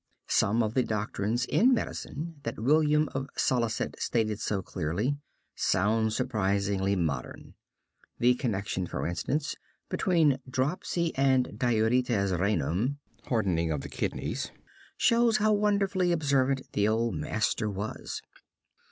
Some of the doctrines in medicine that William of Salicet stated so clearly, sound surprisingly modern. The connection, for instance, between dropsy and durities renum (hardening of the kidneys) shows how wonderfully observant the old master was.